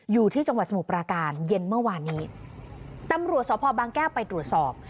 อยู่ที่จังหวัดสมุทรปราการเย็นเมื่อวานนี้ตำรวจสพบางแก้วไปตรวจสอบ